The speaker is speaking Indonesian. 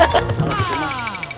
kalau gitu pak